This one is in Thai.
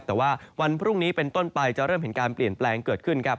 แต่ว่าวันพรุ่งนี้เป็นต้นไปจะเริ่มเห็นการเปลี่ยนแปลงเกิดขึ้นครับ